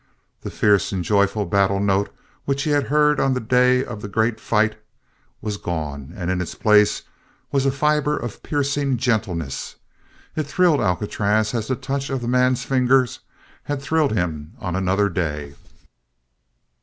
The fierce and joyous battle note which he had heard on the day of the great fight was gone and in its place was a fiber of piercing gentleness. It thrilled Alcatraz as the touch of the man's fingers had thrilled him on another day.